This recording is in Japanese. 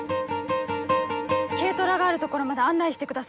軽トラがある所まで案内してください。